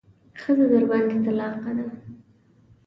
ښځه درباندې طلاقه ده.